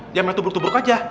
diam aja tubruk tubruk aja